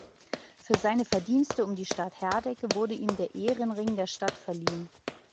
Für seine Verdienste um die Stadt Herdecke wurde ihm der Ehrenring der Stadt verliehen.